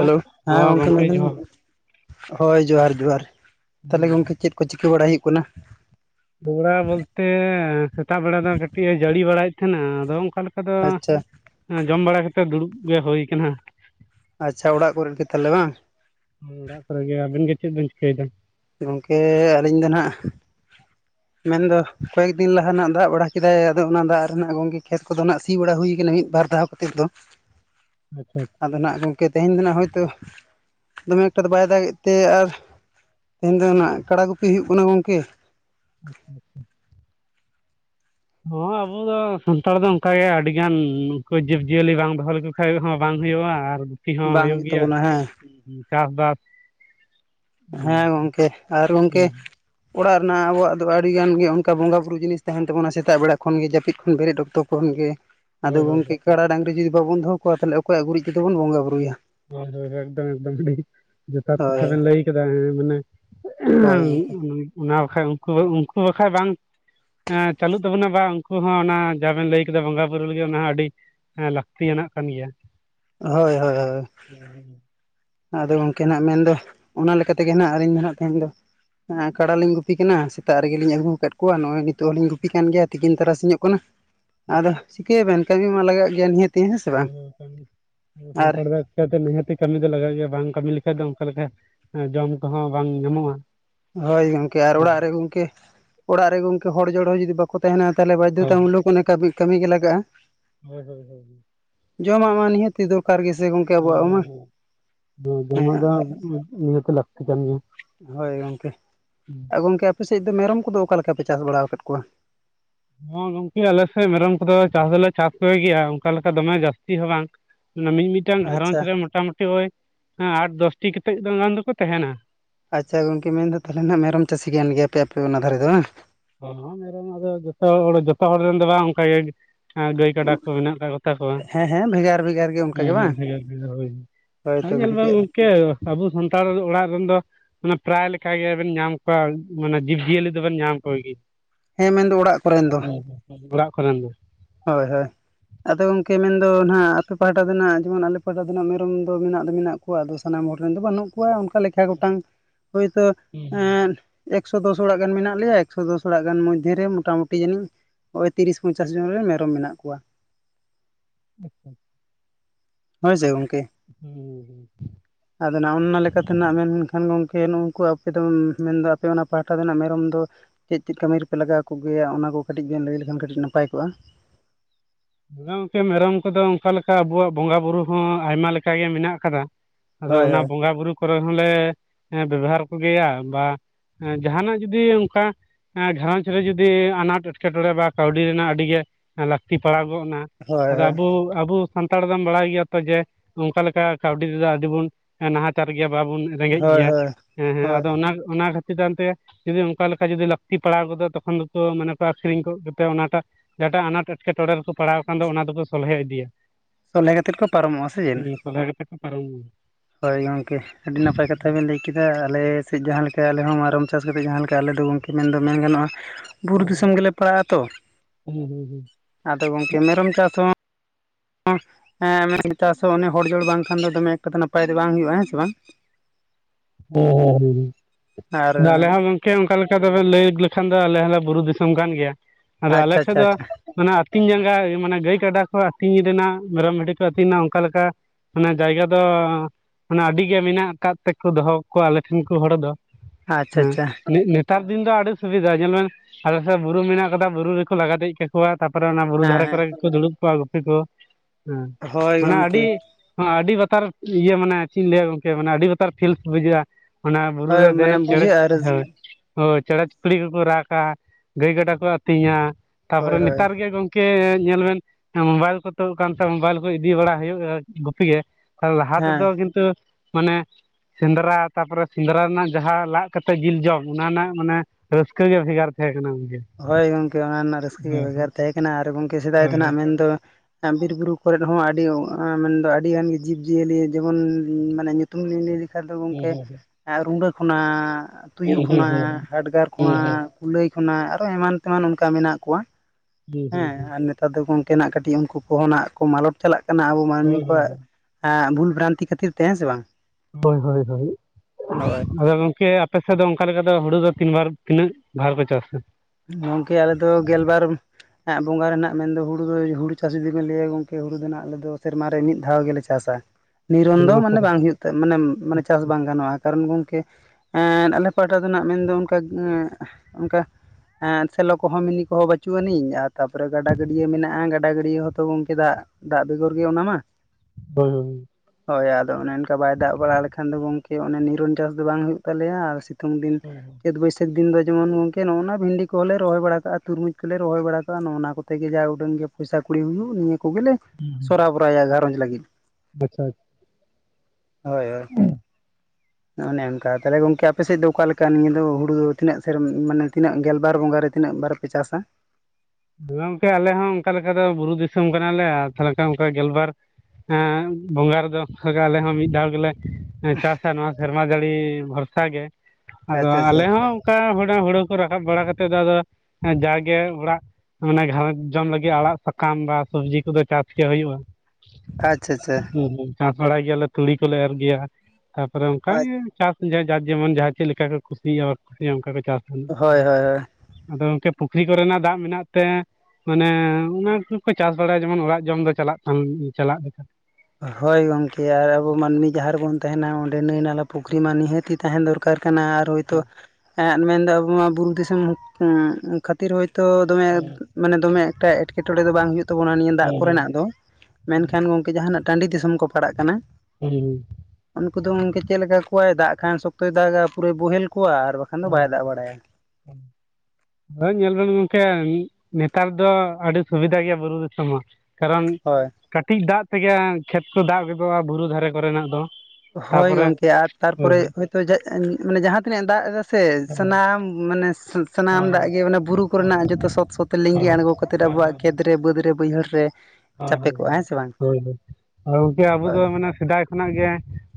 Hello, ᱦᱮᱸ ᱦᱚᱸ ᱜᱚᱢᱠᱮ ᱢᱮᱫᱟ ᱡᱚᱦᱟᱨ ᱞᱤᱧ? ᱦᱳᱭ ᱡᱚᱦᱟᱨ -ᱡᱚᱦᱟᱨ ᱛᱟᱦᱞᱮ ᱜᱚᱢᱠᱮ ᱪᱮᱫ ᱠᱚ ᱪᱤᱠᱟᱹ ᱵᱟᱲᱟᱭ ᱦᱳᱭᱳᱜ ᱠᱟᱱᱟ? ᱵᱚᱜᱲᱟ ᱵᱚᱞᱛᱮᱹ ᱥᱮᱛᱟᱜ ᱵᱮᱲᱟ ᱫᱚ ᱠᱟᱹᱴᱤᱡ ᱮ ᱡᱟᱹᱲᱤ ᱵᱟᱲᱟᱭᱮᱫ ᱛᱟᱦᱮᱱᱟ ᱟᱫᱚ ᱚᱱᱠᱟ ᱟᱫᱚᱸ ᱟᱪᱪᱷᱟ ᱡᱚᱢ ᱵᱟᱲᱟ ᱠᱟᱛᱮᱫ ᱫᱩᱲᱩᱵ ᱜᱮ ᱦᱳᱭ ᱠᱟᱱᱟ ᱾ ᱟᱪ-ᱪᱷᱟ ᱚᱲᱟᱜ ᱠᱚᱨᱮ ᱜᱮ ᱛᱟᱦᱞᱮ ᱵᱟᱝ? ᱚᱲᱟᱜ ᱠᱚᱨᱮ ᱜᱮ ᱟᱵᱮᱱ ᱜᱮ ᱪᱮᱫ ᱵᱤᱱ ᱪᱤᱠᱟᱹᱭᱮᱫᱟ? ᱜᱚᱝᱠᱮ ᱟᱹᱞᱤᱧ ᱫᱚ ᱱᱟᱷᱜ ᱢᱮᱱᱫᱚ ᱠᱚᱭᱮᱠ ᱫᱤᱱ ᱞᱟᱦᱟ ᱱᱟᱜ ᱫᱟᱜ ᱵᱟᱲᱟ ᱠᱮᱫᱟᱭ ᱟᱫᱚ ᱚᱱᱟ ᱫᱟᱜ ᱨᱮᱱᱟᱜ ᱜᱚᱝᱠᱮ ᱠᱷᱮᱛ ᱠᱚᱫᱚ ᱱᱟᱜ ᱥᱤ ᱵᱟᱲᱟ ᱦᱩᱭ ᱠᱟᱱᱟ ᱢᱤᱫ ᱵᱟᱨ ᱫᱷᱟᱣ᱾ ᱠᱷᱮᱛ ᱫᱚ ᱟᱪ-ᱪᱷᱟᱵ ᱾ ᱟᱫᱚ ᱱᱟᱜ ᱜᱚᱝᱠᱮ ᱛᱮᱹᱦᱮᱹᱧ ᱫᱚ ᱱᱟᱜ ᱦᱚᱭᱛᱚ ᱫᱚᱢᱮ ᱮᱠᱴᱟ ᱫᱚ ᱵᱟᱭ ᱫᱟᱜᱮᱫ ᱛᱮ ᱟᱨ ᱛᱮᱹᱦᱮᱹᱧ ᱫᱚ ᱱᱟᱜ ᱠᱟᱲᱟ ᱜᱩᱯᱤ ᱦᱩᱭᱩᱜ ᱠᱟᱱᱟ ᱜᱚᱠᱮ᱾ [unintelligible] ᱦᱚᱸ ᱟᱵᱚ ᱫᱚ ᱥᱟᱱᱛᱟᱲ ᱫᱚ ᱚᱱᱠᱟ ᱜᱮ ᱟᱰᱤ ᱜᱟᱱ ᱩᱱᱠᱩ ᱡᱤᱵᱽᱡᱤᱭᱟᱹᱞᱤ ᱵᱟᱝ ᱫᱚᱦᱚ ᱞᱮᱠᱚ ᱠᱷᱚ ᱦᱚᱸ ᱵᱟᱝ ᱦᱳᱭᱜᱼᱟ ᱟᱨ ᱜᱩᱯᱤ ᱦᱚᱸ ᱵᱟᱝ ᱦᱳᱭᱳᱜ ᱦᱩᱭᱩᱜ ᱜᱮᱭᱟ ᱛᱟᱵᱚᱱᱟ ᱦᱮᱸ ᱪᱟᱥᱵᱟᱥ ᱾ ᱦᱮᱸ ᱜᱚᱝᱠᱮ ᱟᱨ ᱜᱚᱝᱠᱮ ᱥᱟᱸᱜ ᱚᱲᱟᱜ ᱨᱮᱱᱟᱜ ᱟᱵᱚᱣᱟᱜ ᱫᱚ ᱟᱰᱤᱜᱟᱱ ᱜᱮ ᱚᱱᱠᱟ ᱵᱚᱸᱜᱟᱼ ᱵᱩᱨᱩ ᱡᱤᱱᱤᱥ ᱛᱟᱦᱮᱱ ᱛᱟᱵᱚᱱᱟ ᱥᱮᱛᱟᱜ ᱵᱮᱲᱟ ᱠᱷᱚᱱᱜᱮ ᱡᱟᱯᱤᱫ ᱠᱷᱚᱱ ᱵᱮᱹᱨᱮᱹᱫ ᱚᱠᱛᱚ᱾ ᱷᱚᱱ ᱜᱮ ᱟᱫᱚ ᱦᱳᱭ ᱦᱳᱭ ᱜᱚᱝᱠᱮ ᱠᱟᱲᱟ ᱰᱟᱝᱨᱤ ᱡᱩᱫᱤ ᱵᱟᱵᱚᱱ ᱫᱚᱦᱚ ᱠᱚᱣᱟ ᱛᱟᱦᱞᱮ ᱚᱠᱚᱭᱟᱜ ᱜᱩᱨᱤᱡ ᱛᱮᱫᱚ ᱵᱚᱱ ᱵᱚᱸᱜᱟ ᱵᱩᱨᱩᱭᱟ ᱾ ᱦᱳᱭ -ᱦᱳᱭ ᱮᱠᱫᱚᱢ -ᱮᱠᱫᱚᱢ ᱟᱹᱰᱤ ᱡᱚᱛᱷᱟᱛ ᱠᱟᱛᱷᱟ ᱦᱳᱭ ᱵᱮᱱ ᱞᱟᱹᱭ ᱠᱟᱫᱟ ᱦᱮᱸ ᱢᱟᱱᱮ ᱦᱳᱭ ᱷᱟᱸᱦᱮᱸ ᱜᱚᱝᱠᱮ ᱩᱜ-ᱩᱜ ᱚᱱᱟ ᱵᱟᱠᱷᱟᱡ ᱩᱱᱠᱩ ᱩᱱᱠᱩ ᱵᱟᱠᱷᱟᱡ ᱵᱟᱝ ᱮᱸ ᱪᱟᱹᱞᱩᱜ ᱛᱟᱵᱚᱱᱟ ᱵᱟ ᱩᱱᱠᱩ ᱦᱚᱸ ᱚᱱᱟ ᱡᱟᱵᱮᱱ ᱞᱟᱹᱭ ᱠᱮᱫᱟ ᱵᱚᱸᱜᱟ ᱵᱩᱩᱨ ᱞᱟᱹᱜᱤᱫ ᱚᱱᱟ ᱦᱚᱸ ᱟᱰᱤ ᱮᱸ ᱞᱟᱠᱛᱤᱭᱟᱱᱟᱜ ᱠᱟᱱ ᱜᱮᱭᱟ᱾ ᱦᱳᱭ -ᱦᱳᱭ -ᱦᱳᱭ ᱾ ᱷᱩᱸᱦᱩᱸᱜ ᱾ ᱟᱫᱚ ᱜᱚᱝᱠᱮ ᱱᱟᱜ ᱢᱮᱱᱫᱚ ᱚᱱᱟ ᱞᱮᱠᱟ ᱛᱮᱜᱮ ᱱᱟᱜ ᱟᱨ ᱤᱧ ᱫᱚ ᱱᱟᱜ ᱛᱮᱹᱦᱮᱹᱧ ᱫᱚ ᱾ ᱟᱸ ᱠᱟᱲᱟ ᱞᱤᱧ ᱜᱩᱯᱤ ᱠᱟᱱᱟ ᱥᱮᱛᱟᱜ ᱨᱮᱜᱮᱞᱤᱧ ᱟᱹᱜᱩ ᱟᱠᱟᱫ ᱠᱚᱣᱟ ᱱᱚᱜ ᱚᱭ ᱱᱤᱛᱚᱜ ᱦᱚᱸᱞᱤᱧ ᱜᱩᱯᱤ ᱠᱟᱱ ᱜᱮᱭᱟ ᱛᱤᱠᱤᱱ ᱛᱟᱨᱟᱥᱤᱧᱚᱜ ᱠᱟᱱᱟ᱾ ᱟᱫᱚ ᱪᱤᱠᱟᱹᱭᱟᱵᱮᱱ ᱠᱟᱹᱢᱤ ᱢᱟ ᱞᱟᱜᱟᱜ ᱜᱮᱭᱟ ᱱᱤᱦᱟᱹᱛᱤᱜ ᱦᱮᱸ ᱥᱮ ᱵᱟᱝ ᱾ ᱦᱮᱸ ᱥᱟᱱᱛᱟᱲ ᱫᱟᱠ ᱟᱵᱚ ᱫᱚ ᱱᱤᱦᱟᱹᱛᱤ ᱠᱟᱹᱢᱤ ᱫᱚ ᱞᱟᱜᱟᱜ ᱜᱮᱭᱟ, ᱵᱟᱝ ᱠᱟᱹᱢᱤ ᱞᱮᱠᱷᱟᱡ ᱫᱚ ᱚᱸᱠᱟ ᱞᱮᱠᱟ ᱟᱸ ᱡᱚᱢ ᱠᱚᱦᱚᱸ ᱵᱟᱝ ᱧᱟᱢᱚᱜᱼᱟ᱾ ᱦᱳᱭ ᱜᱚᱝᱠᱮ ᱟᱨ ᱦᱳᱭ ᱚᱲᱟᱜ ᱨᱮ ᱜᱚᱝᱠᱮ ᱚᱲᱟᱜ ᱨᱮ ᱜᱚᱝᱠᱮ ᱦᱚᱲ ᱡᱚᱲ ᱦᱚᱸ ᱡᱩᱫᱤ ᱵᱟ- ᱠᱚ ᱛᱟᱦᱮᱱᱟ ᱛᱟᱦᱮᱞᱮ ᱵᱟᱡᱽᱫᱷᱚ ᱛᱮ ᱦᱟᱢᱞᱳᱜᱚ ᱱᱮ ᱠᱟᱵᱤ ᱠᱟᱹᱢᱤ ᱜᱮ ᱞᱟᱜᱟᱜᱼᱟ᱾ ᱦᱚᱭ ᱦᱚᱭ ᱦᱚᱭ ᱾ ᱡᱚᱢᱟᱜ ᱢᱟ ᱱᱤᱦᱟᱹᱛᱤ ᱫᱚᱨᱠᱟᱨ ᱜᱮᱥᱮ ᱜᱚᱝᱠᱮ ᱟᱵᱚᱣᱟᱜ ᱢᱟ? ᱦᱩᱸ, ᱡᱚᱢᱟᱜ ᱫᱚ ᱦᱮᱸ ᱦᱟᱸᱜ ᱩᱸ ᱱᱤᱦᱟᱹᱛᱤ ᱞᱟᱹᱠᱛᱤ ᱠᱟᱱ ᱜᱮᱭᱟ, ᱦᱳᱭ ᱜᱚᱝᱠᱮ ᱦᱩᱸ ᱟᱨ ᱾ ᱜᱚᱝᱠᱮ ᱟᱯᱮ ᱥᱮᱡ ᱫᱚ ᱢᱮᱨᱚᱢ ᱠᱚᱫᱚ ᱚᱠᱟ ᱞᱮᱠᱟ ᱯᱮ ᱪᱟᱥ ᱵᱟᱲᱟᱣ ᱟᱠᱟᱫ ᱠᱚᱣᱟ? ᱦᱚᱭ ᱜᱚᱝᱠᱮ ᱟᱞᱮᱥᱮᱫ ᱢᱮᱨᱚᱢ ᱠᱚᱫᱚ ᱪᱟᱥ ᱫᱚᱞᱮ ᱪᱟᱥ ᱠᱚ ᱜᱮᱭᱟ ᱚᱸᱠᱟ ᱞᱮᱠᱟ ᱫᱚᱢᱮ ᱡᱟᱹᱥᱛᱤ ᱦᱚᱸ ᱵᱟᱝ, ᱢᱟᱱᱮ ᱢᱤᱡ ᱢᱤᱫᱴᱟᱝ ᱜᱷᱟᱨᱚᱸᱡᱽ ᱟᱪᱪᱷᱟ ᱨᱮ ᱢᱳᱴᱟᱢᱩᱴᱤ ᱳᱭ ᱟᱴᱼᱫᱚᱥ ᱴᱤ ᱠᱮᱴᱮᱡ ᱫᱚ ᱜᱟᱱ ᱫᱚᱠᱚ ᱛᱟᱦᱮᱸᱱᱟ᱾ ᱟᱪᱪᱷᱟ ᱜᱚᱝᱠᱮ ᱢᱮᱱ ᱮᱫᱟ ᱛᱟᱦᱮᱞᱮ ᱱᱷᱟᱸᱜ ᱢᱮᱨᱚᱢ ᱪᱟᱹᱥᱤ ᱠᱟᱱ ᱜᱮᱭᱟ ᱯᱮ ᱟᱯᱮ ᱚᱱᱟ ᱫᱷᱟᱨᱮ ᱫᱚ ᱵᱟᱝ? ᱦᱚᱸ ᱢᱮᱨᱚᱢ ᱟᱫᱚ ᱡᱚᱛᱚ ᱦᱚᱲ ᱡᱚᱛᱚ ᱦᱚᱲ ᱨᱮᱱ ᱫᱚ ᱵᱟᱝ, ᱚᱱᱠᱟ ᱜᱮ᱾ ᱦᱮᱸ ᱜᱟᱹᱭ ᱠᱟᱰᱟ ᱠᱚ ᱢᱮᱱᱟᱜ ᱠᱳᱣᱟ ᱠᱚ ᱛᱟᱠᱚ, ᱦᱮᱸ ᱦᱮᱸ ᱵᱷᱮᱜᱟᱨ ᱦᱩᱸ ᱦᱩᱸ ᱵᱷᱮᱜᱟᱨ ᱵᱷᱮᱜᱟᱨ ᱦᱳᱭ ᱦᱚᱭ᱾ ᱦᱳᱭ ᱛᱚᱵᱮ᱾ ᱧᱮᱞ ᱢᱮ ᱜᱚᱝᱠᱮ ᱟᱵᱚ ᱥᱟᱱᱛᱟᱲ ᱚ ᱚᱲᱟᱜ ᱨᱮᱱ ᱫᱚ ᱢᱟᱱᱮ ᱯᱟᱨᱟᱭ ᱞᱮᱠᱟ ᱜᱮ ᱵᱤᱱ ᱧᱟᱢ ᱠᱚᱣᱟ ᱢᱟᱱᱮ ᱡᱤᱵᱽ ᱡᱤᱭᱟᱹᱞᱤ ᱫᱚᱵᱮᱱ ᱧᱟᱢ ᱠᱚᱜᱮ᱾ ᱦᱮᱸ ᱢᱮᱱᱫᱚ ᱚᱲᱟᱜ ᱠᱚᱨᱮᱱ ᱫᱚ᱾ ᱦᱮᱸ ᱚᱲᱟᱜ ᱠᱷᱚᱱᱟᱱ ᱫᱚ᱾ ᱦᱳᱭ ᱦᱳᱭ᱾ ᱟᱫᱚ ᱜᱚᱝᱠᱮ ᱢᱮᱱᱫᱚ ᱱᱷᱟᱸᱜ ᱟᱯᱮ ᱯᱟᱦᱴᱟ ᱫᱚ ᱱᱷᱟᱸᱜ ᱡᱮᱢᱚᱱ ᱟᱞᱮ ᱯᱟᱦᱴᱟ ᱫᱚ ᱱᱷᱟᱸᱜ ᱢᱮᱨᱚᱢ ᱫᱚ ᱢᱮᱱᱟᱜ ᱫᱚ ᱢᱮᱱᱟᱜ ᱠᱚᱣᱟ, ᱟᱫᱚ ᱥᱟᱱᱟᱢ ᱦᱚᱲ ᱨᱮᱱ ᱫᱚ ᱵᱟᱹᱱᱩᱜ ᱠᱚᱣᱟ ᱚᱱᱠᱟ ᱞᱮᱠᱷᱟ ᱜᱚᱴᱟᱝ ᱦᱳᱭᱛᱚ ᱮᱸ ᱮᱠ ᱥᱚ ᱫᱚᱥ ᱚᱲᱟᱜ ᱜᱟᱱ ᱢᱮᱱᱟᱜ ᱞᱮᱭᱟ, ᱮᱠ ᱥᱚ ᱫᱚᱥ ᱚᱲᱟᱜ ᱜᱟᱱ ᱢᱚᱡᱽᱼᱫᱷᱮ ᱨᱮ ᱢᱚᱴᱟ ᱢᱩᱴᱤ ᱡᱟᱹᱱᱤᱡ ᱚᱸᱭ ᱛᱤᱨᱤᱥ ᱯᱚᱧᱪᱟᱥ ᱡᱚᱱ ᱨᱮᱱ ᱢᱮᱨᱚᱢ ᱢᱮᱱᱟᱜ ᱠᱚᱣᱟ᱾ ᱟᱪᱪᱷᱟ᱾ ᱦᱳᱭ ᱥᱮ ᱜᱚᱝᱠᱮ? ᱦᱩᱸ ᱦᱩᱸ ᱾ ᱟᱫᱚ ᱱᱷᱟᱸᱜ ᱚᱱᱼᱚᱱᱟ ᱞᱮᱠᱟᱛᱮ ᱱᱷᱟᱸᱜ ᱢᱮᱱᱠᱷᱟᱱ ᱜᱚᱝᱠᱮ ᱱᱩᱝ ᱩᱸᱠᱩ ᱟᱯᱮ ᱫᱚ ᱩᱸ ᱢᱮᱱ ᱫᱳ ᱟᱯᱮ ᱚᱱᱟ ᱯᱟᱦᱴᱟ ᱫᱚ ᱱᱷᱟᱸᱜ ᱢᱮᱨᱚᱢ ᱫᱚ ᱪᱮᱫ ᱪᱮᱫ ᱠᱟᱹᱢᱤ ᱨᱮᱯᱮ ᱞᱟᱜᱟᱣ ᱠᱚᱜᱮᱭᱟ ᱚᱱᱟ ᱠᱚ ᱠᱟᱹᱴᱤᱡ ᱵᱮᱱ ᱞᱟᱹᱭ ᱞᱮᱠᱷᱟᱱ ᱠᱟᱹᱴᱤᱡ ᱱᱟᱯᱟᱭ ᱠᱚᱜᱼᱟ? [unintelligible] ᱜᱚᱝᱠᱮ ᱢᱮᱨᱚᱢ ᱠᱚᱫᱚ ᱚᱸᱠᱟ ᱞᱮᱠᱟ ᱟᱵᱚᱣᱟᱜ ᱵᱚᱸᱜᱟ ᱵᱩᱨᱩ ᱦᱚᱸ ᱟᱭᱢᱟ ᱞᱮᱠᱟ ᱜᱮ ᱢᱮᱱᱟᱜ ᱟᱠᱟᱫᱟ, ᱟᱫᱚ ᱦᱳᱭ ᱚᱱᱟ ᱦᱳᱭ ᱵᱚᱸᱜᱟ ᱵᱩᱨᱩ ᱠᱚᱨᱮ ᱦᱚᱸᱞᱮ ᱮᱸ ᱵᱮᱵᱷᱟᱨ ᱠᱚᱜᱮᱭᱟ, ᱵᱟ ᱮᱸ ᱡᱟᱦᱟᱸᱱᱟᱜ ᱡᱩᱫᱤ ᱚᱸᱠᱟ ᱮᱸ ᱜᱷᱟᱨᱚᱸᱡᱽ ᱨᱮ ᱡᱩᱫᱤ ᱟᱱᱟᱴ ᱮᱴᱠᱮ ᱴᱚᱬᱮ ᱵᱟ ᱠᱟᱹᱣᱰᱤ ᱨᱮᱱᱟᱜ ᱟᱹᱰᱤ ᱜᱮ ᱞᱟᱠᱛᱤᱵ ᱯᱟᱲᱟᱣ ᱜᱚᱜ ᱮᱱᱟ, ᱦᱳᱭ ᱟᱫᱚ ᱦᱳᱭ ᱟᱵᱚ ᱟᱹᱵᱩᱥ ᱥᱟᱱᱛᱟᱲ ᱫᱚᱢ ᱵᱟᱲᱟᱭ ᱜᱮᱭᱟ ᱛᱚ ᱡᱮ ᱚᱸᱠᱟ ᱞᱮᱠᱟ ᱠᱟᱹᱣᱰᱤ ᱨᱮᱫᱚ ᱟᱹᱰᱤᱵᱩᱱ ᱱᱟᱦᱟᱪᱟᱨ ᱜᱮᱭᱟ ᱵᱟᱵᱩᱱ ᱮᱢ ᱞᱮᱜᱮᱡ ᱦᱳᱭ ᱜᱮᱭᱟ, ᱦᱳᱭ ᱦᱮᱸ ᱦᱮᱸ ᱦᱳᱭ ᱟᱫᱚ ᱚᱱᱟᱜᱽ ᱚᱱᱟ ᱠᱷᱟ- ᱪᱮᱛᱟᱱ ᱛᱮ ᱡᱩᱫᱤ ᱚᱸᱠᱟ ᱞᱮᱠᱟ ᱡᱩᱫᱤ ᱞᱟᱹᱠᱛᱤ ᱯᱟᱲᱟᱣ ᱜᱚᱫᱚᱜᱼᱟ, ᱛᱚᱠᱷᱚᱱ ᱫᱚᱠᱚ ᱢᱟᱱᱮ ᱠᱚ ᱟᱹᱠᱷᱨᱤᱧ ᱠᱚᱜ ᱜᱮᱛᱮ ᱚᱱᱟ ᱴᱟᱜ ᱡᱟᱦᱟᱸᱴᱟᱜ ᱟᱱᱟᱴ ᱮᱴᱠᱮ ᱴᱚᱲᱮ ᱨᱮᱠᱚ ᱯᱟᱲᱟᱣ ᱟᱠᱟᱱ ᱫᱚ ᱚᱱᱟ ᱫᱚᱠᱚ ᱥᱚᱞᱦᱮ ᱤᱫᱤᱭᱟ᱾ ᱥᱚᱞᱦᱮ ᱠᱟᱛᱮᱫ ᱠᱚ ᱯᱟᱨᱚᱢᱚᱜᱼᱟ ᱥᱮ ᱪᱮᱫ? ᱦᱮᱸ ᱥᱚᱞᱦᱮ ᱠᱟᱛᱮ ᱠᱚ ᱯᱟᱨᱚᱢᱚᱜ [unintelligible] ᱦᱳᱭ ᱜᱚᱝᱠᱮᱦ, ᱟᱹᱰᱤ ᱱᱟᱯᱟᱭ ᱠᱟᱛᱷᱟ ᱵᱮᱱ ᱞᱟᱹᱭ ᱠᱮᱫᱟ, ᱟᱞᱮ ᱥᱮᱡ ᱡᱟᱦᱟᱸ ᱞᱮᱠᱟ ᱟᱞᱮ ᱦᱚᱸ ᱢᱮᱨᱚᱢ ᱪᱟᱥ ᱠᱟᱛᱮᱡ ᱡᱟᱦᱟᱸ ᱞᱮᱠᱟ ᱟᱞᱮ ᱫᱚ ᱜᱚᱝᱠᱮ ᱢᱮᱱᱫᱚ ᱢᱮᱱ ᱜᱟᱱᱚᱜᱼᱟ ᱵᱩᱨᱩ ᱦᱩᱸ ᱫᱤᱥᱚᱢ ᱜᱮᱞᱮ ᱯᱟᱲᱟᱜᱼᱟ ᱛᱚ, ᱦᱩᱸ ᱦᱩᱸ ᱟᱫᱚ ᱜᱚᱝᱠᱮ ᱢᱮᱨᱚᱢ ᱪᱟᱥ ᱦᱚᱸ ᱮᱸ ᱦᱮᱸ ᱢᱮᱱ ᱟᱧ ᱪᱟᱥ ᱦᱚᱸ ᱚᱱᱮ ᱦᱚᱲ ᱡᱚᱲ ᱵᱟᱝᱠᱷᱟᱱ ᱫᱚ ᱫᱚᱢᱮ ᱮᱠᱴᱚ ᱫᱚ ᱱᱟᱯᱟᱭ ᱫᱚ ᱵᱟᱝ ᱦᱩᱭᱩᱜᱼᱟ ᱦᱮᱸ ᱥᱮ ᱵᱟᱝ? [unintelligible] ᱫᱚ ᱟᱨ ᱟᱞᱮ ᱦᱚᱸ ᱜᱚᱝ- ᱠᱮ ᱚᱸᱠᱟ ᱞᱮᱠᱟ ᱫᱚ ᱵᱮᱱ ᱞᱟᱹᱭᱼᱮᱫ ᱞᱮᱠᱷᱟᱱ ᱫᱚ ᱟᱞᱮ ᱦᱚᱸᱞᱮ ᱵᱩᱨᱩ ᱫᱤᱥᱚᱢ ᱠᱟᱱ ᱜᱮᱭᱟ, ᱟᱫᱚ ᱟᱞᱮ ᱟᱪᱪᱷᱟ ᱴᱷᱮᱫ ᱟᱪᱪᱷᱟ ᱫᱚ ᱟᱪᱪᱷᱟ ᱢᱟᱱᱮ ᱟᱹᱛᱤᱧ ᱡᱟᱸᱜᱟ ᱢᱟᱱᱮ ᱜᱟᱹᱭ ᱠᱟᱰᱟ ᱠᱚ ᱟᱹᱛᱤᱧ ᱨᱮᱱᱟᱜ ᱢᱮᱨᱚᱢ ᱵᱷᱤᱰᱤ ᱠᱚ ᱟᱹᱛᱤᱧᱱᱟ ᱚᱱᱠᱟ ᱞᱮᱠᱟ᱾ ᱚᱱᱟ ᱡᱟᱭᱜᱟ ᱫᱚ ᱢᱟᱱᱮ ᱟᱹᱰᱤ ᱜᱮ ᱢᱮᱱᱟᱜ ᱟᱠᱟᱫ ᱛᱮ ᱫᱚᱦᱚ ᱠᱚᱣᱟ ᱟᱞᱮ ᱴᱷᱮᱱ ᱠᱚ ᱦᱚᱲ ᱫᱚ ᱟᱪᱪᱷᱟ ᱦᱮᱸ ᱟᱪᱪᱷᱟ ᱾ ᱱᱮᱛᱟᱨ ᱫᱤᱱ ᱫᱚ ᱟᱹᱰᱤ ᱥᱩᱵᱤᱫᱷᱟ ᱧᱮᱞᱢᱮᱱ ᱟᱞᱮᱥᱮᱱ ᱵᱩᱨᱩ ᱢᱮᱱᱟᱜ ᱟᱠᱟᱫᱟ, ᱵᱩᱨᱩ ᱨᱮᱠᱚ ᱞᱟᱜᱟ ᱫᱮᱡ ᱠᱚᱭᱟ ᱛᱟᱨᱯᱚᱨᱮ ᱚᱱᱟ ᱵᱩᱨᱩ ᱦᱮᱸ ᱫᱷᱟᱨᱮ ᱦᱮᱸ ᱠᱚᱨᱮ ᱜᱮ ᱫᱩᱲᱩᱵ ᱠᱚᱣᱟ ᱜᱩᱯᱤ ᱠᱚ ᱦᱮᱸ ᱦᱳᱭ ᱾ ᱚᱱᱟ ᱜᱚᱢᱠᱮ ᱟᱹᱰᱤ ᱦᱚᱸ ᱟᱹᱰᱤ ᱵᱟᱛᱟᱨ ᱤᱭᱟᱹ ᱢᱟᱱᱮ ᱪᱮᱫ ᱤᱧ ᱞᱟᱹᱭᱟ ᱜᱚᱝᱠᱮ ᱢᱟᱱᱮ ᱟᱹᱰᱤ ᱵᱟᱛᱟᱨ ᱯᱷᱤᱞᱥ ᱵᱩᱡᱷᱟᱹᱜᱼᱟ᱾ ᱚᱱᱟ ᱵᱩᱨᱩ ᱦᱳᱭ ᱨᱮ ᱢᱟᱱᱮ ᱫᱮᱡ ᱪᱮᱸᱬᱮ ᱵᱩᱡᱷᱟᱹᱜᱼᱟ ᱨᱟᱹᱥ ᱦᱳᱭ ᱾ ᱦᱳᱭ ᱪᱮᱸᱬᱮ ᱪᱩᱯᱲᱤ ᱠᱚᱠᱚ ᱨᱟᱜᱟ, ᱜᱟᱹᱭ ᱜᱟᱰᱟ ᱠᱚ ᱟᱹᱛᱤᱧᱟ ᱦᱳᱭ ᱛᱟᱯᱚᱨᱮ ᱦᱳᱭ ᱱᱮᱛᱟᱨ ᱜᱮ ᱜᱚᱢᱠᱮ ᱧᱮᱞ ᱵᱮᱱ ᱢᱳᱵᱟᱭᱤᱞ ᱠᱚ ᱛᱳᱜ ᱠᱟᱱᱛᱮ, ᱢᱳᱵᱟᱭᱤᱞ ᱠᱚ ᱤᱫᱤ ᱵᱟᱲᱟ ᱦᱩᱭᱩᱜᱼᱟ ᱜᱩᱯᱤ ᱜᱮ ᱾ ᱞᱟᱦᱟ ᱦᱮᱸ ᱛᱮᱫᱚ ᱠᱤᱱᱛᱩ ᱢᱟᱱᱮ ᱥᱮᱸᱫᱽᱨᱟ ᱛᱟᱯᱚᱨᱮ ᱥᱮᱸᱫᱽᱨᱟ ᱨᱮᱱᱟᱜ ᱡᱟᱦᱟᱸ ᱞᱟᱜ ᱠᱟᱛᱮ ᱡᱤᱞ ᱡᱚᱢ ᱚᱱᱟ ᱨᱮᱱᱟᱜ ᱢᱟᱱᱮ ᱨᱟᱹᱥᱠᱟᱹ ᱜᱮ ᱵᱷᱮᱜᱟᱨ ᱛᱟᱦᱮᱸ ᱠᱟᱱᱟ ᱜᱚᱢᱠᱮ ᱾ ᱦᱳᱭ ᱜᱚᱢᱠᱮ ᱚᱱᱟ ᱨᱮᱱᱟᱜ ᱨᱟᱹᱥᱠᱟᱹ ᱜᱮ ᱵᱷᱮᱜᱟᱨ ᱛᱟᱦᱮᱸ ᱠᱟᱱᱟ, ᱟᱨ ᱜᱚᱢᱠᱮ ᱥᱮᱫᱟᱭ ᱦᱳᱭ ᱛᱮᱱᱟᱜ ᱢᱮᱱ ᱫᱚ ᱵᱤᱨ ᱵᱩᱨᱩ ᱠᱚᱨᱮᱫ ᱦᱚᱸ ᱟᱹᱰᱤ ᱢᱮᱱᱫᱚ ᱟᱹᱰᱤ ᱜᱟᱱ ᱜᱮ ᱡᱤᱵᱽ ᱡᱤᱭᱟᱹᱞᱤ ᱡᱮᱢᱚᱱ ᱢᱟᱱᱮ ᱧᱩᱛᱩᱢ ᱞᱟᱹᱭ ᱞᱮᱠᱷᱟ ᱫᱚ ᱜᱚᱢᱠᱮ ᱦᱳᱭ ᱨᱩᱰᱟᱹ ᱠᱷᱚᱱᱟᱜ ᱛᱩᱭᱩ ᱦᱮᱸ ᱦᱮᱸ ᱦᱮᱸ ᱦᱮᱸ ᱦᱮᱸ ᱠᱷᱚᱱᱟᱜ, ᱦᱟᱰᱜᱟᱨ ᱦᱮᱸ ᱠᱷᱚᱱᱟᱜ ᱠᱩᱞᱟᱹᱭ ᱠᱷᱚᱱᱟᱜ ᱟᱨᱚ ᱮᱢᱟᱱ ᱛᱮᱢᱟᱱ ᱚᱱᱠᱟ ᱢᱮᱱᱟᱜ ᱠᱚᱣᱟ ᱦᱮᱸ ᱟᱨ ᱱᱮᱛᱟᱨ ᱫᱚ ᱜᱚᱢᱠᱮ ᱱᱟᱜ ᱠᱟᱹᱴᱤᱡ ᱩᱱᱠᱩ ᱠᱚᱦᱚᱸ ᱱᱟᱜ ᱠᱚ ᱢᱟᱞᱚᱴ ᱪᱟᱞᱟᱜ ᱠᱟᱱᱟ, ᱟᱵᱚ ᱢᱟᱹᱱᱢᱤ ᱦᱳᱭ ᱦᱳᱭ ᱠᱚᱣᱟᱜ ᱮᱸ ᱵᱷᱩᱞ ᱵᱨᱟᱱᱛᱤ ᱠᱷᱟᱹᱛᱤᱨ ᱛᱮ ᱦᱮᱸ ᱥᱮ ᱵᱟᱝ ᱾ ᱦᱳᱭ, ᱦᱳᱭ, ᱦᱳᱭ᱾ ᱟᱫᱚ ᱜᱚᱢᱠᱮ ᱟᱯᱮ ᱥᱮᱫ ᱫᱚ ᱚᱱᱠᱟ ᱞᱮᱠᱟ ᱫᱚ ᱦᱩᱲᱩ ᱫᱚ ᱛᱤᱱ ᱵᱟᱨ ᱛᱤᱱᱟᱹᱜ ᱵᱷᱟᱨ ᱠᱚᱠᱚ ᱪᱟᱥᱟ? ᱜᱚᱝᱠᱮ ᱟᱞᱮ ᱫᱚ ᱜᱮᱞ ᱵᱟᱨ ᱦᱟᱸᱜ ᱵᱚᱸᱜᱟ ᱨᱮᱱᱟᱜ ᱢᱮᱱ ᱦᱩᱲᱩ ᱫᱚ ᱦᱩᱲᱩ ᱪᱟᱥ ᱡᱩᱫᱤ ᱠᱚ ᱞᱟᱹᱭᱟ ᱜᱚᱝᱠᱮ, ᱦᱩᱲᱩ ᱨᱮᱱᱟᱜ ᱟᱞᱮ ᱫᱚ ᱥᱮᱨᱢᱟ ᱨᱮ ᱢᱤᱫ ᱫᱷᱟᱣ ᱜᱮᱞᱮ ᱪᱟᱥᱟ, ᱱᱤᱨᱚᱱ ᱫᱚ ᱱᱚᱣᱟ ᱢᱟᱱᱮ ᱥᱮᱫ ᱨᱮ ᱵᱟᱝ ᱦᱩᱭᱩᱜ ᱢᱟᱱᱮ ᱢᱟᱱᱮ ᱪᱟᱥ ᱟᱪᱪᱷᱟ ᱵᱟᱝ ᱜᱟᱱᱚᱜᱼᱟ᱾ ᱠᱟᱨᱚᱱ ᱜᱚᱝᱠᱮ ᱟᱞᱮ ᱯᱟᱦᱴᱟ ᱫᱚ ᱢᱮᱱᱫᱚ ᱚᱱᱠᱟ ᱚᱱᱠᱟ ᱥᱮᱞᱚ ᱠᱚᱦᱚᱸ ᱢᱤᱱᱤ ᱠᱚᱦᱚᱸ ᱵᱟᱪᱩᱜ ᱟᱹᱱᱤᱡ, ᱟᱨ ᱛᱟᱯᱚᱨᱮ ᱜᱟᱰᱟ ᱜᱟᱹᱰᱭᱟᱹ ᱢᱮᱱᱟᱜᱼᱟ᱾ ᱜᱟᱰᱟ ᱜᱟᱹᱰᱭᱟᱹ ᱦᱚᱸᱛᱚ ᱮ ᱫᱟᱜ ᱫᱟᱜ ᱵᱮᱜᱚᱨ ᱜᱮ ᱚᱱᱟ ᱢᱟ ᱾ ᱦᱳᱭ, ᱦᱳᱭ ᱾ ᱦᱳᱭ ᱟᱫᱚ ᱚᱱᱮ ᱚᱱᱠᱟ ᱵᱟᱭ ᱫᱟᱜ ᱵᱟᱲᱟ ᱞᱮᱠᱷᱟᱱ ᱫᱚ, ᱜᱚᱝᱠᱮ ᱚᱱᱮ ᱱᱤᱨᱚᱱ ᱪᱟᱥ ᱫᱚ ᱵᱟᱝ ᱦᱩᱭᱩᱜ ᱛᱟᱞᱮᱭᱟ ᱟᱨ ᱥᱤᱛᱩᱝ ᱫᱤᱱ ᱦᱳᱭ ᱪᱟᱹᱛ ᱵᱟᱹᱭᱥᱟᱹᱠᱷ ᱫᱤᱱ ᱫᱚ ᱡᱮᱢᱚᱱ ᱜᱚᱝᱠᱮ ᱱᱚᱜᱼᱚᱭ ᱱᱟ ᱵᱷᱤᱱᱰᱤ ᱠᱚᱦᱚᱸ ᱨᱚᱦᱚᱭ ᱵᱟᱲᱟ ᱠᱟᱜᱼᱟ, ᱛᱩᱨᱢᱩᱡᱽ ᱠᱚᱞᱮ ᱨᱚᱦᱚᱭ ᱵᱟᱲᱟ ᱠᱟᱜᱼᱟ, ᱱᱚᱜᱼᱱᱟ ᱠᱚᱛᱮᱜ ᱜᱮ ᱡᱟ ᱩᱰᱟᱹᱝ ᱜᱮ ᱯᱚᱭᱥᱟ ᱠᱩᱲᱤ ᱦᱩᱭᱩᱜ ᱱᱤᱭᱟᱹ ᱠᱚᱜᱮ ᱞᱮ ᱥᱚᱨᱟ ᱵᱚᱨᱟᱭᱟ ᱜᱷᱟᱨᱚᱸᱡᱽ ᱞᱟᱹᱜᱤᱫ ᱾ ᱟᱪᱪᱷᱟ ᱾ ᱦᱳᱭ, ᱦᱳᱭ ᱾ ᱚᱱᱮ ᱚᱱᱠᱟ ᱛᱟᱦᱚᱞᱮ ᱜᱚᱝᱠᱮ ᱟᱯᱮᱥᱮᱫ ᱫᱚ ᱚᱠᱟᱮ ᱱᱤᱭᱟᱹ ᱫᱚ ᱦᱩᱲᱩ ᱫᱚ ᱛᱤᱱᱟᱹᱜ ᱥᱮ ᱢᱟᱱᱮ ᱛᱤᱱᱟᱜ ᱜᱮᱞ ᱵᱟᱨ ᱵᱚᱸᱜᱟ ᱨᱮ ᱛᱤᱱᱟᱹᱜ ᱵᱟᱨ ᱯᱮ ᱪᱟᱥᱟ? ᱜᱚᱝᱠᱮ ᱟᱞᱮ ᱦᱚᱸ ᱚᱱᱠᱟ ᱞᱮᱠᱟ ᱫᱚ ᱵᱩᱨᱩ ᱫᱤᱥᱚᱢ ᱠᱟᱱᱟᱞᱮ, ᱟᱨ ᱛᱟᱦᱚᱞᱮ ᱠᱷᱟᱱ ᱚᱱᱠᱟ ᱜᱮᱞ ᱵᱟᱨ ᱦᱮᱸ ᱵᱚᱸᱜᱟ ᱨᱮᱫᱚ ᱟᱞᱮ ᱦᱚᱸ ᱢᱤᱫ ᱫᱷᱟᱣ ᱜᱮᱞᱮ ᱪᱟᱥᱟ ᱱᱚᱣᱟ ᱥᱮᱨᱢᱟ ᱡᱟᱹᱲᱤ ᱵᱷᱚᱨᱥᱟ ᱜᱮ ᱾ ᱟᱫᱚ ᱟᱪᱪᱷᱟ ᱟᱞᱮ ᱟᱪᱪᱷᱟ ᱦᱚᱸ ᱚᱠᱟ ᱦᱚᱲᱟ ᱦᱳᱲᱳ ᱠᱚ ᱨᱟᱠᱟᱵ ᱵᱟᱲᱟ ᱠᱟᱛᱮᱫ ᱫᱚ ᱟᱫᱚ ᱡᱟᱜᱽᱜᱮ ᱟᱲᱟᱜ ᱚᱱᱟ ᱜᱮ ᱜᱷᱟᱨᱚᱡᱽ ᱡᱚᱢ ᱞᱟᱹᱜᱤᱜ ᱟᱲᱟᱜ ᱥᱟᱠᱟᱢ ᱵᱟ ᱥᱚᱵᱽᱡᱤ ᱠᱚᱫᱚ ᱪᱟᱥ ᱜᱮ ᱦᱳᱭᱩᱜ-ᱟ᱾ ᱟᱪᱪᱷᱟ ᱟᱪᱪᱷᱟ ᱦᱩᱸ, ᱦᱩᱸ ᱪᱟᱥ ᱵᱟᱲᱟᱭ ᱜᱮᱭᱟᱞᱮ ᱛᱩᱲᱤ ᱠᱚᱞᱮ ᱮᱨ ᱜᱮᱭᱟ ᱦᱟᱸᱜ ᱾ ᱛᱟᱯᱚᱨᱮ ᱚᱱᱠᱟ ᱦᱳᱭ ᱜᱮ ᱪᱟᱥ ᱡᱮ ᱡᱟᱨ ᱡᱮᱢᱚᱱ ᱡᱟᱦᱟᱸ ᱪᱮᱫ ᱞᱮᱠᱟ ᱠᱚ ᱠᱩᱥᱤᱭᱟᱜ-ᱟ ᱵᱟᱠᱚ ᱠᱩᱥᱤᱭᱟᱜ-ᱟ ᱚᱱᱠᱟ ᱠᱚ ᱪᱟᱥ ᱾ ᱦᱳᱭ, ᱦᱳᱭ, ᱦᱳᱭ ᱾ ᱟᱫᱚ ᱜᱚᱝᱠᱮ ᱯᱩᱠᱷᱨᱤ ᱠᱚᱨᱮᱱᱟᱜ ᱫᱟᱜ ᱢᱮᱱᱟᱜ ᱛᱮ ᱢᱟᱱᱮ ᱚᱱᱟ ᱠᱚᱠᱚ ᱪᱟᱥ ᱵᱟᱲᱟᱭᱟ ᱡᱮᱢᱚᱱ ᱚᱲᱟᱜ ᱡᱚᱢ ᱫᱚ ᱪᱟᱞᱟᱜ ᱛᱟᱢ ᱪᱟᱞᱟᱜ ᱞᱮᱠᱟ᱾ ᱦᱳᱭ ᱜᱚᱝᱠᱮ ᱟᱨ ᱟᱵᱚ ᱢᱟᱹᱱᱢᱤ ᱡᱟᱦᱟᱸ ᱨᱮᱵᱚᱱ ᱛᱮᱦᱮᱸᱱᱟ ᱚᱸᱰᱮ ᱱᱟᱹᱭ ᱱᱟᱞᱟ ᱯᱩᱠᱷᱨᱤ ᱢᱟ ᱱᱤᱦᱟᱹᱛᱤ ᱛᱟᱦᱮᱸᱱ ᱫᱚᱨᱠᱟᱨ ᱠᱟᱱᱟ ᱟᱨ ᱦᱳᱭᱛᱚ ᱮᱸᱫ ᱢᱮᱱ ᱫᱟ ᱟᱵᱚ ᱢᱟ ᱵᱩᱨᱩ ᱫᱤᱥᱚᱢ ᱠᱷᱟᱛᱤᱨ ᱦᱳᱭᱛᱚ ᱫᱚᱢᱮ ᱢᱟᱱᱮ ᱫᱚᱢᱮ ᱮᱠᱴᱟ ᱮᱸᱴᱠᱮ ᱴᱚᱬᱮ ᱫᱚ ᱵᱟᱝ ᱦᱩᱭᱳᱜ ᱛᱟᱵᱚᱱᱟ ᱱᱤᱭᱟᱹ ᱫᱟᱜ ᱠᱚᱨᱮᱱᱟᱜ ᱫᱚ, ᱢᱮᱱᱠᱷᱟᱱ ᱜᱚᱝᱠᱮ ᱡᱟᱦᱟᱸᱱᱟᱜ ᱴᱟᱸᱰᱤ ᱫᱤᱥᱚᱢ ᱠᱚ ᱯᱟᱲᱟᱜ ᱠᱟᱱᱟ, ᱦᱩᱸ ᱦᱩᱸ ᱩᱱᱠᱩ ᱫᱚ ᱜᱚᱝᱠᱮ ᱪᱮᱫ ᱞᱮᱠᱟ ᱠᱚᱣᱟᱭ ᱫᱟᱜ ᱠᱷᱟᱱ ᱥᱚᱠᱛᱚᱭ ᱫᱟᱜᱟ ᱯᱩᱨᱟᱹᱭ ᱵᱳᱦᱮᱞ ᱠᱚᱣᱟ ᱟᱨ ᱵᱟᱠᱷᱟᱱ ᱫᱚ ᱵᱟᱭ ᱫᱟᱜ ᱵᱟᱲᱟᱭᱟ᱾ [inaudible] ᱦᱳᱭ ᱧᱮᱞ ᱵᱮᱱ ᱜᱚᱝᱠᱮ ᱱᱮᱛᱟᱨ ᱫᱚ ᱟᱰᱤ ᱥᱩᱵᱤᱫᱷᱟ ᱜᱮᱭᱟ ᱵᱩᱨᱩ ᱫᱤᱥᱚᱢ ᱦᱚᱸ, ᱠᱟᱨᱚᱱ ᱦᱳᱭ᱾ ᱠᱟᱴᱤᱡ ᱫᱟᱜ ᱛᱮᱜᱮ ᱠᱷᱮᱛ ᱠᱚ ᱫᱟᱜ ᱜᱚᱫᱚᱜ-ᱟ ᱵᱩᱨᱩ ᱫᱷᱟᱨᱮ ᱠᱚᱨᱮᱱᱟᱜ ᱫᱚ, ᱦᱳᱭ ᱛᱟᱯᱚᱨᱮ ᱜᱚᱝᱠᱮ ᱟᱨ ᱦᱳᱭ ᱛᱟᱨᱯᱚᱨᱮ ᱦᱳᱭᱛᱳ ᱡᱟ ᱢᱟᱱᱮ ᱡᱟᱦᱟᱸ ᱛᱤᱱᱟᱹᱜ ᱫᱟᱜ ᱮ ᱫᱟᱭ ᱥᱮ ᱦᱳᱭ ᱥᱟᱱᱟᱢ ᱢᱟᱱᱮ ᱥᱟᱱᱟᱢ ᱦᱳᱭ ᱫᱟᱜ ᱜᱮ ᱚᱱᱟ ᱵᱩᱨᱩ ᱠᱚᱨᱮᱱᱟᱜ ᱡᱚᱛᱚ ᱦᱳᱭ ᱥᱚᱛ ᱥᱚᱛ ᱦᱳᱭ ᱞᱤᱸᱜᱤ ᱦᱳᱭ ᱟᱬᱜᱚ ᱠᱟᱛᱮᱫ ᱟᱵᱚᱣᱟᱜ ᱠᱷᱮᱛ ᱨᱮ ᱵᱟᱹᱫᱽ ᱨᱮ ᱵᱟᱹᱭᱦᱟᱹᱲ ᱨᱮ ᱦᱮᱸ ᱪᱟᱯᱮ ᱦᱳᱭ ᱠᱚᱜᱼᱟ ᱦᱮᱸ ᱥᱮ ᱵᱟᱝ ᱦᱳᱭ ᱦᱳᱭ ᱟᱨ ᱜᱚᱝᱠᱮ ᱟᱵᱚ ᱫᱚ ᱦᱳᱭ ᱢᱟᱱᱮ ᱥᱮᱫᱟᱭ ᱠᱷᱚᱱᱟᱜ ᱜᱮ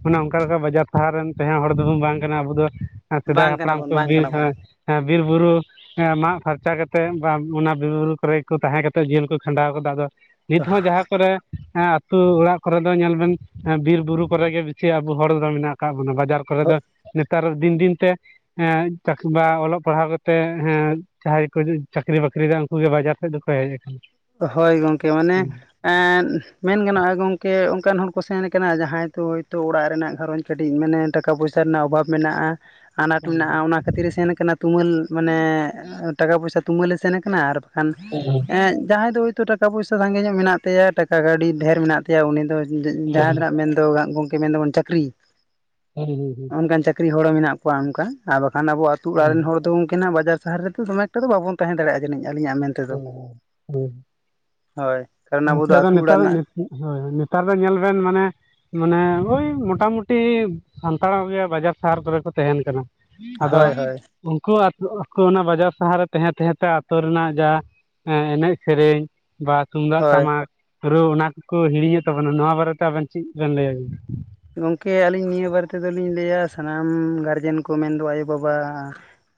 ᱢᱟᱱᱮ ᱚᱱᱠᱟ ᱞᱮᱠᱟ ᱵᱟᱡᱟᱨ ᱥᱟᱦᱟᱨ ᱨᱮᱱ ᱛᱟᱦᱮᱸ ᱦᱚᱲ ᱫᱚᱵᱚᱱ ᱵᱟᱝ ᱠᱟᱱᱟ ᱟᱵᱚ ᱫᱚ, ᱟᱨ ᱥᱮᱫᱟᱭ ᱵᱟᱝ ᱠᱟᱱᱟ ᱦᱟᱯᱲᱟᱢ ᱵᱚᱱ ᱠᱚ ᱵᱟᱝ ᱵᱤᱨ ᱠᱟᱱᱟ ᱦᱟᱸ ᱵᱚᱱ ᱦᱟᱸ ᱵᱤᱨ ᱵᱩᱨᱩ ᱦᱮᱸ ᱢᱟᱜ ᱯᱷᱟᱨᱪᱟ ᱠᱟᱛᱮ ᱵᱟ ᱚᱱᱟ ᱵᱤᱨ ᱵᱩᱨᱩ ᱠᱚᱨᱮ ᱠᱚ ᱛᱟᱦᱮᱸ ᱠᱟᱛᱮ ᱠᱟ ᱡᱤᱭᱟᱹᱱ ᱠᱚ ᱠᱷᱟᱸᱰᱟᱣ ᱠᱟᱫᱟ ᱟᱫᱚ ᱱᱤᱛ ᱦᱚᱸ ᱡᱟᱦᱟᱸ ᱠᱚᱨᱮ ᱦᱮᱸ ᱟᱛᱩ ᱚᱲᱟᱜ ᱠᱚᱨᱮ ᱫᱚ ᱧᱮᱞ ᱵᱮᱱ ᱵᱤᱨ ᱵᱩᱨᱩ ᱠᱚᱨᱮ ᱜᱮ ᱵᱮᱥᱤ ᱟᱵᱚ ᱦᱚᱲ ᱫᱚ ᱢᱮᱱᱟᱜ ᱠᱟᱜ ᱵᱩᱱᱟ ᱵᱟᱡᱟᱨ ᱠᱚᱨᱮ ᱫᱚ ᱱᱮᱛᱟᱨ ᱫᱤᱱ ᱫᱤᱱ ᱛᱮ ᱦᱮᱸ ᱪᱟᱠ ᱵᱟ ᱚᱞᱚᱜ ᱯᱟᱲᱦᱟᱣ ᱠᱟᱛᱮ ᱦᱮᱸ ᱡᱟᱦᱟᱸᱭ ᱠᱚ ᱪᱟᱠᱨᱤ ᱵᱟᱠᱨᱤᱭ ᱫᱟ ᱩᱝ ᱠᱩ ᱜᱮ ᱵᱟᱡᱟᱨ ᱥᱮᱫ ᱫᱚᱠᱚ ᱦᱮᱡ ᱠᱟᱱᱟ᱾ ᱦᱳᱭ ᱜᱚᱝᱠᱮ ᱢᱟᱱᱮ ᱮᱸᱫ ᱢᱮᱱ ᱜᱟᱱᱚᱜᱼᱟ ᱜᱚᱝᱠᱮ ᱚᱱᱠᱟᱱ ᱦᱚᱲ ᱠᱚ ᱥᱮᱱ ᱠᱟᱱᱟ ᱡᱟᱦᱟᱸᱭ ᱫᱚ ᱦᱳᱭᱛᱳ ᱚᱲᱟᱜ ᱨᱮᱱᱟᱜ ᱜᱷᱟᱨᱚᱸᱡᱽ ᱠᱟᱹᱴᱤᱡ ᱢᱮᱱᱮ ᱴᱟᱠᱟ ᱯᱚᱭᱥᱟ ᱨᱮᱱᱟᱜ ᱚᱵᱷᱟᱵᱽ ᱢᱮᱱᱟᱜᱼᱟ ᱟᱱᱟᱴ ᱢᱮᱱᱟᱜᱼᱟ ᱚᱱᱟ ᱠᱷᱟᱹᱛᱤᱨ ᱮ ᱥᱮᱱ ᱠᱟᱱᱟ ᱛᱩᱢᱟᱹᱞ ᱢᱟᱱᱮ ᱴᱟᱠᱟ ᱯᱚᱭᱥᱟ ᱛᱩᱢᱟᱹᱞᱮ ᱥᱮᱱ ᱠᱟᱱᱟ ᱟᱨ ᱠᱷᱟᱱ ᱮᱸᱜ ᱡᱟᱦᱟᱸᱭ ᱫᱚ ᱦᱳᱭᱛᱳ ᱴᱟᱠᱟ ᱯᱚᱭᱥᱟ ᱥᱟᱸᱜᱮ ᱧᱚᱜ ᱢᱮᱱᱟᱜ ᱛᱟᱭᱟ ᱴᱟᱠᱟ ᱠᱟᱹᱣᱰᱤ ᱰᱷᱮᱨ ᱢᱮᱱᱟᱜ ᱛᱟᱭᱟ ᱩᱱᱤ ᱫᱚ ᱡᱟᱦᱟᱸ ᱛᱤᱱᱟᱜ ᱢᱮᱱᱫᱚ ᱜᱚᱝᱠᱮ ᱢᱮᱱ ᱫᱟᱵᱚᱱ ᱪᱟᱠᱨᱤ ᱚᱱᱠᱟᱱ ᱪᱟᱠ ᱨᱤ ᱦᱚᱲ ᱢᱮᱱᱟᱜ ᱠᱚᱣᱟ ᱚᱱᱠᱟ ᱟᱨ ᱵᱟᱠᱷᱟᱱ ᱟᱵᱚ ᱟᱛᱩ ᱚᱲᱟᱜ ᱨᱮᱱ ᱦᱚᱲ ᱫᱚ ᱛᱟᱦᱮᱸᱱᱟ ᱵᱟᱡᱟᱨ ᱥᱟᱦᱟᱨ ᱨᱮᱫᱚ ᱫᱚᱢᱮ ᱮᱠᱴᱟ ᱫᱚ ᱵᱟᱵᱚᱱ ᱛᱟᱦᱮᱸ ᱫᱮᱲᱮᱭᱟᱜ-ᱟ ᱡᱟᱹᱱᱤᱡ ᱟᱞᱤᱧᱟᱜ ᱢᱮᱱ ᱛᱮᱫᱚ ᱦᱮᱸ [unintelligible] ᱦᱳᱭ᱾ ᱠᱟᱨᱚᱱ ᱟᱵᱚ ᱜᱚᱝᱠᱮ ᱫᱚ ᱟᱫᱚ ᱟᱹᱛᱩ ᱚᱲᱟᱜ ᱱᱮᱛᱟᱨ ᱦᱳᱭ ᱨᱮᱱᱟᱜ ᱱᱮᱛᱟᱨ ᱫᱚ ᱧᱮᱞ ᱵᱮᱱ ᱢᱟᱱᱮ ᱢᱟᱱᱮ ᱳᱭ ᱢᱚᱴᱟ ᱢᱩᱴᱤ ᱥᱟᱱᱛᱟᱲ ᱠᱚᱜᱮ ᱵᱟᱡᱟᱨ ᱥᱟᱦᱟᱨ ᱠᱚᱨᱮ ᱠᱚ ᱛᱮᱦᱮᱸᱱ ᱠᱟᱱᱟ᱾ ᱟᱫᱚ ᱦᱳᱭ ᱦᱳᱭ ᱩᱝᱠᱩ [inaudible] ᱚᱱᱟ ᱵᱟᱡᱟᱨ ᱥᱟᱦᱟᱨ ᱨᱮ ᱛᱮᱦᱮᱸ ᱛᱮᱦᱮᱸ ᱛᱮ ᱟᱛᱳ ᱨᱮᱱᱟᱜ ᱡᱟ ᱦᱮᱸ ᱮᱱᱮᱡ ᱥᱮᱨᱮᱧ ᱵᱟ ᱛᱩᱝ ᱦᱳᱭ ᱴᱟᱢᱟᱠ ᱨᱩ ᱚᱱᱟ ᱠᱚᱠᱚ ᱦᱤᱲᱤᱧᱮᱫ ᱛᱟᱵᱚᱱᱟ ᱱᱚᱣᱟ ᱵᱟᱨᱮᱛᱮ ᱟᱵᱮᱱ ᱪᱮᱫ ᱵᱮᱱ ᱞᱟᱹᱭ᱾ ᱜᱚᱝᱠᱮ ᱟᱞᱤᱧ ᱱᱤᱭᱟᱹ ᱵᱟᱨᱮ ᱛᱮᱫᱚ ᱞᱤᱧ ᱞᱟᱹᱭᱟ ᱥᱟᱱᱟᱢ ᱜᱟᱨᱡᱮᱱ ᱠᱚ ᱢᱮᱱᱫᱚ ᱟᱭᱳ-ᱵᱟᱵᱟ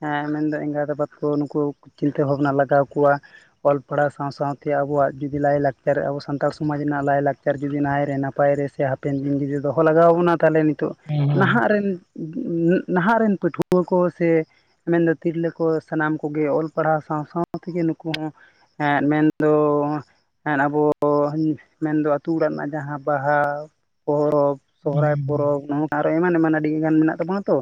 ᱮᱸ ᱢᱮᱱᱫᱚ ᱮᱸᱜᱟᱛ ᱟᱵᱟᱛ ᱠᱚ ᱱᱩᱠᱩ ᱪᱤᱱᱛᱟᱹ ᱵᱷᱟᱵᱽᱱᱟ ᱞᱟᱜᱟᱣ ᱠᱚᱣᱟ ᱚᱞ ᱯᱟᱲᱦᱟᱣ ᱥᱟᱶ-ᱥᱟᱶᱛᱮᱭᱟᱜ ᱟᱵᱚᱣᱟᱜ ᱡᱩᱫᱤ ᱞᱟᱭ-ᱞᱟᱠᱪᱟᱨ ᱟᱵᱚ ᱥᱟᱱᱛᱟᱲ ᱥᱚᱢᱟᱡᱽ ᱨᱮᱱᱟᱜ ᱞᱟᱭ-ᱞᱟᱠ ᱪᱟᱨ ᱡᱩᱫᱤ ᱱᱟᱭ ᱨᱮ ᱱᱟᱯᱟᱭ ᱨᱮ ᱥᱮ ᱦᱟᱯᱮᱱ ᱫᱤᱱ ᱡᱩᱫᱤ ᱫᱚᱦᱚ ᱞᱟᱜᱟᱣ ᱵᱚᱱᱟ ᱛᱟᱦᱟᱞᱮ ᱱᱤᱛᱚᱜ ᱦᱩᱸ ᱱᱟᱦᱟᱸᱜ ᱨᱮᱱ ᱩᱸ ᱩᱸ ᱱᱟᱦᱟᱸᱜ ᱨᱮᱱ ᱯᱟᱹᱴᱷᱩᱣᱟᱹ ᱠᱚ ᱥᱮ ᱢᱮᱱᱫᱚ ᱛᱤᱨᱞᱟᱹ ᱠᱚ ᱥᱟᱱᱟᱢ ᱠᱚᱜᱮ ᱚᱞ ᱯᱟᱲᱦᱟᱣ ᱥᱟᱶ-ᱥᱟᱶ ᱛᱮᱜᱮ ᱱᱩᱠᱩ ᱦᱚᱸ ᱮᱸᱫ ᱢᱮᱱᱫᱚ ᱮᱸᱫ ᱟᱵᱚ ᱢᱮᱱᱫᱚ ᱟᱹᱛᱩ ᱚᱲᱟᱜ ᱨᱮᱱᱟᱜ ᱡᱟᱦᱟᱸ ᱵᱟᱦᱟ ᱯᱚᱨᱚᱵᱽ ᱥᱚᱦᱚᱨᱟᱭ ᱯᱚᱨᱚᱵᱽ ᱦᱩᱸ ᱱᱚ ᱟᱨᱚ ᱮᱢᱟᱱ ᱮᱢᱟᱱ ᱟᱹᱰᱤ ᱜᱟᱱ ᱢᱮᱱᱟᱜ ᱛᱟᱵᱚᱱᱟ ᱛᱚ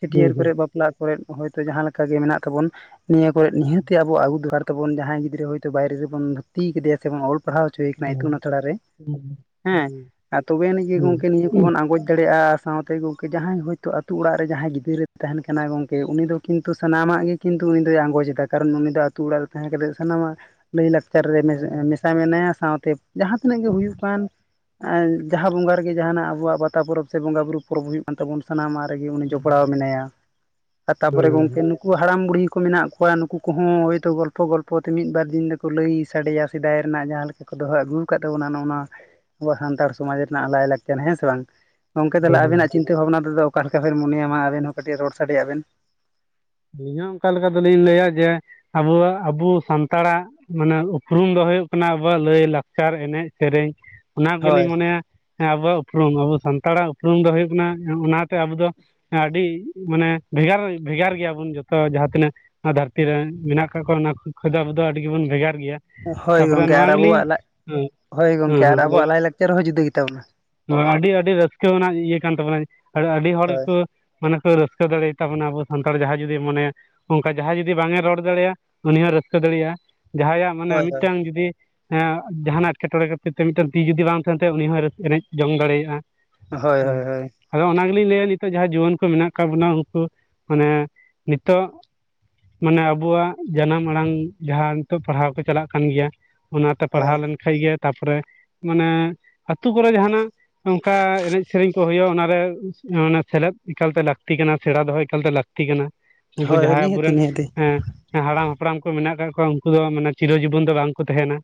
ᱪᱷᱟᱹᱴᱭᱟᱹᱨ ᱦᱩᱸ ᱦᱩᱸ ᱦᱩᱸ ᱦᱩᱸ ᱠᱚᱨᱮᱜ ᱵᱟᱯᱞᱟ ᱠᱚᱨᱮᱜ ᱦᱳᱭᱛᱳ ᱡᱟᱦᱟᱸ ᱞᱮᱠᱟ ᱜᱮ ᱢᱮᱱᱟᱜ ᱛᱟᱵᱚᱱ ᱱᱤᱭᱟᱹ ᱠᱚᱨᱮ ᱱᱤᱦᱟᱹᱛᱤ ᱟᱵᱚ ᱟᱜᱩ ᱫᱚᱨᱠᱟᱨ ᱛᱟᱵᱩᱱ ᱡᱟᱦᱟᱸᱭ ᱜᱤᱫᱽᱨᱟᱹ ᱦᱳᱭᱛᱳ ᱵᱟᱭᱨᱮ ᱨᱮᱵᱚᱱ ᱵᱷᱩᱨᱭᱛᱤᱭ ᱠᱮᱫᱮᱭᱟ ᱥᱮᱵᱚᱱ ᱚᱞ ᱯᱟᱲᱦᱟᱣ ᱦᱩᱪᱩᱭᱤ ᱠᱟᱱᱟᱭ ᱤᱛᱩᱱ ᱟᱥᱲᱟ ᱨᱮ ᱦᱩᱸ [inaudible] ᱦᱮᱸ ᱦᱩᱸ ᱦᱩᱸ ᱟᱨ ᱛᱚᱵᱮ ᱟᱱᱤᱡ ᱜᱮ ᱦᱩᱸ ᱜᱚᱝᱠᱮ ᱱᱤᱭᱟᱹ ᱦᱩᱸ ᱠᱚᱵᱚᱱ ᱟᱸᱜᱚᱪ ᱫᱟᱲᱮᱭᱟᱜ-ᱟ ᱥᱟᱶᱛᱮ ᱜᱚᱝᱠᱮ ᱡᱟᱦᱟᱸᱭ ᱦᱳᱭᱛᱳ ᱟᱹᱛᱩ ᱚᱲᱟᱜ ᱨᱮ ᱡᱟᱦᱟᱸᱭ ᱜᱤᱫᱽᱨᱟᱹ ᱛᱟᱦᱮᱱ ᱠᱟᱱᱟᱭ ᱜᱚᱢᱠᱮ ᱩᱱᱤ ᱫᱚ ᱠᱤᱱᱛᱩ ᱥᱟᱱᱟᱢᱟᱜ ᱜᱮ ᱠᱤᱱᱛᱩ ᱩᱱᱤ ᱫᱚᱭ ᱟᱸᱜᱚᱪ ᱮᱫᱟ ᱠᱟᱨᱚᱱ ᱩᱱᱤ ᱫᱚ ᱟᱹᱛᱩ ᱚᱲᱟᱜ ᱨᱮ ᱛᱟᱦᱮᱸ ᱠᱮᱛᱮᱜ ᱥᱟᱱᱟᱢᱟᱜ ᱞᱟᱹᱭ ᱞᱟᱠ ᱪᱟᱨ ᱨᱮ ᱢᱮ ᱚ ᱢᱮᱥᱟ ᱢᱮᱱᱟᱭᱟ ᱥᱟᱶᱛᱮ ᱡᱟᱦᱟᱸ ᱛᱤᱱᱟᱹᱜ ᱜᱮ ᱦᱩᱭᱩᱜ ᱠᱟᱱ ᱟᱨ ᱡᱟᱦᱟᱸ ᱵᱚᱸᱜᱟ ᱨᱮ ᱜᱮ ᱡᱟᱦᱟᱱᱟᱜ ᱟᱵᱚᱣᱟᱜ ᱯᱟᱛᱟ ᱯᱚᱨᱚᱵᱽ ᱥᱮ ᱵᱚᱸᱜᱟ ᱵᱩᱨᱩ ᱯᱚᱨᱚᱵᱽ ᱦᱩᱭᱩᱜ ᱛᱟᱵᱚᱱ ᱥᱟᱱᱟᱢᱟᱜ ᱨᱮᱜᱮ ᱩᱱᱤ ᱡᱚᱯᱲᱟᱣ ᱢᱮᱱᱟᱭᱟ ᱟᱨ ᱦᱳᱭ ᱦᱳᱭ ᱛᱟᱯᱚᱨᱮ ᱜᱚᱝᱠᱮ ᱱᱩᱠᱩ ᱱᱩᱠᱩ ᱦᱟᱲᱟᱢ ᱵᱩᱰᱦᱤ ᱠᱚ ᱢᱮᱱᱟᱜ ᱠᱚᱣᱟ ᱱᱩᱠᱩ ᱠᱚᱦᱚᱸ ᱦᱚᱭᱛᱚ ᱜᱚᱞᱯᱚ ᱜᱚᱞᱯᱚ ᱛᱮ ᱢᱤᱫ ᱵᱟᱨ ᱫᱤᱱ ᱫᱚᱠᱚ ᱞᱟᱹᱭ ᱥᱟᱰᱮᱭᱟ, ᱥᱮᱫᱟᱭ ᱨᱮᱱᱟᱜ ᱡᱟᱦᱟᱸ ᱞᱮᱠᱟ ᱠᱚ ᱫᱚᱦᱚ ᱟᱹᱜᱩ ᱟᱠᱟᱫ ᱛᱟᱵᱚᱱᱟ ᱱᱚᱜ-ᱚ ᱟᱵᱚ ᱥᱟᱱᱛᱟᱲ ᱥᱚᱢᱟᱡᱽ ᱨᱮᱱᱟᱜ ᱞᱟᱭ ᱞᱟᱠᱪᱟᱨ, ᱦᱮᱸ ᱥᱮ ᱵᱟᱝ ᱜᱚᱢᱠᱮ ᱛᱟᱦᱚᱞᱮ ᱟᱵᱤᱱᱟᱜ ᱪᱤᱱᱛᱟᱹ ᱵᱷᱟᱵᱽᱱᱟ ᱛᱮᱫᱚ ᱚᱠᱟ ᱞᱮᱠᱟ ᱵᱮᱱ ᱢᱚᱱᱮᱭᱟ, ᱢᱟ ᱟᱵᱮᱱ ᱦᱚᱸ ᱠᱟᱹᱴᱤᱡ ᱨᱚᱲ ᱥᱟᱰᱮᱭᱟᱜ ᱵᱮᱱ, ᱟᱹᱞᱤᱧ ᱦᱚᱸ ᱚᱱᱠᱟ ᱞᱮᱠᱟ ᱫᱚᱞᱤᱧ ᱞᱟᱹᱭᱟ ᱡᱮ ᱟᱵᱚᱣᱟᱜ ᱟᱵᱚ ᱥᱟᱱᱛᱟᱲᱟᱜ ᱢᱟᱱᱮ ᱩᱯᱨᱩᱢ ᱫᱚ ᱦᱩᱭᱩᱜ ᱠᱟᱱᱟ ᱟᱵᱚᱣᱟᱜ ᱞᱟᱹᱭ ᱞᱟᱠᱪᱟᱨ ᱮᱱᱮᱡ, ᱥᱮᱨᱮᱧ᱾ ᱚᱱᱟ ᱦᱳᱭ ᱜᱮᱞᱤᱧ ᱢᱚᱱᱮᱭᱟ ᱟᱵᱚᱣᱟᱜ ᱩᱯᱨᱩᱢ, ᱟᱵᱚ ᱥᱟᱱᱛᱟᱲᱟᱜ ᱩᱯᱨᱩᱢ ᱫᱚ ᱦᱩᱭᱩᱜ ᱠᱟᱱᱟ ᱚᱱᱟ ᱜᱚᱢᱠᱮ ᱟᱵᱩ ᱫᱚ ᱟᱹᱰᱤ ᱢᱟᱱᱮ ᱵᱷᱮᱜᱟᱨ ᱵᱷᱮᱜᱟᱨ ᱜᱮᱭᱟᱵᱚ ᱩᱱ ᱡᱚᱛᱚ ᱡᱟᱦᱟᱸ ᱛᱤᱱᱟᱹᱜ ᱱᱚᱣᱟ ᱫᱷᱟᱹᱨᱛᱤ ᱨᱮᱱ ᱢᱮᱱᱟᱜ ᱠᱟᱜ ᱠᱚᱣᱟ ᱚᱱᱟ ᱠᱚ ᱠᱷᱚᱡ ᱫᱚ ᱟᱵᱚ ᱫᱚ ᱟᱹᱰᱤ ᱜᱮᱵᱚᱱ ᱵᱷᱮᱜᱟᱨ ᱜᱮᱭᱟ᱾ ᱦᱳᱭ ᱛᱟᱯᱚᱨᱮ ᱜᱚᱢᱠᱮ ᱱᱚᱣᱟ ᱟᱨ ᱜᱮᱞᱤᱧ ᱟᱵᱚᱣᱟᱜ ᱞᱟᱭ ᱦᱮᱸ [inaudible] ᱦᱳᱭ ᱦᱮᱸ ᱜᱚᱝᱠᱮ ᱟᱨ ᱦᱮᱸ ᱞᱟᱹᱭ ᱟᱵᱚᱣᱟᱜ ᱞᱟᱭ-ᱞᱟᱠᱪᱟᱨ ᱦᱚᱸ ᱡᱩᱫᱟᱹ ᱜᱮᱛᱟᱵᱚᱱᱟ᱾ ᱱᱚᱣᱟ ᱟᱹᱰᱤ ᱟᱹᱰᱤ ᱨᱟᱹᱥᱠᱟ ᱟᱱᱟᱜ ᱤᱭᱟᱹ ᱠᱟᱱ ᱛᱟᱵᱚᱱᱟ ᱟᱹᱰᱤ ᱦᱚᱲ ᱦᱳᱭ ᱜᱮᱠᱚ, ᱢᱟᱱᱮ ᱠᱚ ᱨᱟᱹᱥᱠᱟᱹ ᱫᱟᱲᱮᱭᱟ ᱛᱟᱵᱚᱱᱟ ᱟᱵᱚ ᱥᱟᱱᱛᱟᱲ ᱡᱟᱦᱟᱸᱭ ᱡᱩᱫᱤ ᱢᱚᱱᱮᱭᱟ ᱚᱱᱠᱟ ᱡᱟᱦᱟᱸᱭ ᱡᱩᱫᱤ ᱵᱟᱝᱮ ᱨᱚᱲ ᱫᱟᱲᱮᱭᱟᱜ-ᱟ, ᱩᱱᱤ ᱦᱚᱸ ᱨᱟᱹᱥᱠᱟᱹ ᱫᱟᱲᱮᱭᱟᱜ-ᱟ ᱡᱟᱦᱟᱸᱭᱟᱜ, ᱢᱟᱱᱮ ᱦᱳᱭ ᱦᱳᱭ ᱢᱤᱫᱴᱟᱝ ᱡᱩᱫᱤ ᱦᱮᱸ ᱡᱟᱦᱟᱱᱟᱜ ᱮᱸᱴᱠᱮᱴᱚᱬᱮ ᱠᱷᱟᱹᱛᱤᱨ ᱛᱮ ᱢᱤᱫᱴᱟᱝ ᱛᱤ ᱡᱩᱫᱤ ᱵᱟᱝ ᱛᱟᱦᱮᱱ ᱛᱟᱭᱟ ᱩᱱᱤ ᱦᱚᱸᱭ ᱨᱟᱹᱥᱠᱟᱹ ᱮᱱᱮᱡ ᱡᱚᱝ ᱫᱟᱲᱮᱭᱟᱜ-ᱟ᱾ ᱦᱳᱭ ᱦᱩᱸ ᱦᱳᱭ ᱦᱳᱭ [inaudible] ᱟᱫᱚ ᱚᱱᱟ ᱜᱮᱞᱤᱧ ᱞᱟᱹᱭᱟ, ᱱᱤᱛᱳᱜ ᱡᱟᱦᱟᱸ ᱡᱩᱣᱟᱹᱱ ᱠᱚ ᱢᱮᱱᱟᱜ ᱠᱟᱜ ᱵᱚᱱᱟ ᱩᱱᱠᱩ ᱢᱟᱱᱮ ᱱᱤᱛᱚᱜᱻ ᱢᱟᱱᱮ ᱟᱵᱚᱣᱟᱜ ᱡᱟᱱᱟᱢ ᱟᱲᱟᱝ ᱡᱟᱦᱟᱸ ᱱᱤᱛᱚᱜ ᱯᱟᱲᱦᱟᱣ ᱠᱚ ᱪᱟᱞᱟᱜ ᱠᱟᱱ ᱜᱮᱭᱟ, ᱚᱱᱟᱛᱮ ᱦᱳᱭ ᱯᱟᱲᱦᱟᱣ ᱞᱮᱱᱠᱷᱟᱡ ᱜᱮ ᱛᱟᱯᱚᱨᱮ ᱢᱟᱱᱮ ᱟᱹᱛᱩ ᱠᱚᱨᱮ ᱡᱟᱦᱟᱱᱟᱜ, ᱚᱱᱠᱟ ᱮᱱᱮᱡ ᱥᱮᱨᱮᱧ ᱠᱚ ᱦᱩᱭᱩᱜ-ᱟ ᱚᱱᱟᱨᱮ ᱥᱮᱞᱮᱫ ᱮᱠᱟᱞᱛᱮ ᱞᱟᱹᱠᱛᱤ ᱠᱟᱱᱟ ᱥᱮᱬᱟ ᱫᱚᱦᱚ ᱮᱠᱟᱞᱛᱮ ᱞᱟᱹᱠᱛᱤ ᱠᱟᱱᱟ᱾ ᱩᱱᱠᱩ ᱦᱳᱭ ᱡᱟᱦᱟᱸᱭ ᱱᱤᱦᱟᱹᱛᱤ ᱟᱵᱚᱨᱮᱱ ᱱᱤᱦᱟᱹᱛᱤ [inaudible] ᱦᱮᱸᱻ ᱦᱟᱲᱟᱢ ᱦᱟᱯᱲᱟᱢ ᱠᱚ ᱢᱮᱱᱟᱜ ᱟᱠᱟᱫ ᱠᱚᱣᱟ ᱩᱱᱠᱩ ᱫᱚ ᱢᱟᱱᱮ ᱪᱤᱨᱚ ᱡᱤᱵᱚᱱ ᱫᱚ ᱵᱟᱝᱠᱚ ᱛᱟᱦᱮᱱᱟ᱾